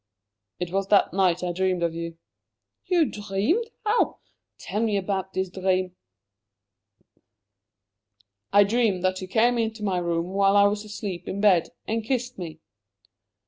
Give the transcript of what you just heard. "It was that night I dreamed of you." "You dreamed? How? Tell me about this dream." "I dreamed that you came into my room while I was asleep in bed, and kissed me!"